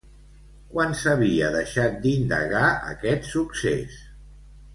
Quan s'havia deixat d'indagar aquest succés?